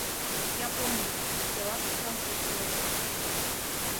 — Японий, — пелашыжлан шып пелештыш.